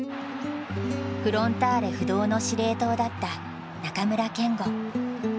フロンターレ不動の司令塔だった中村憲剛。